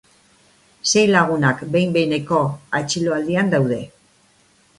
Sei lagunak behin-behineko atxiloaldian daude.